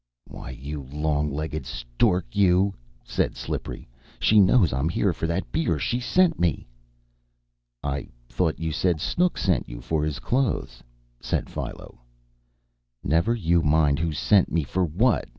"Why, you long legged stork you!" said Slippery, "she knows I'm here for that beer. She sent me." "I thought you said Snooks sent you for his clothes," said Philo. "Never you mind who sent me for what!"